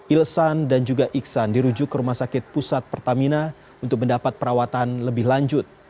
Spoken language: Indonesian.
ilsan dan juga iksan dirujuk ke rumah sakit pusat pertamina untuk mendapat perawatan lebih lanjut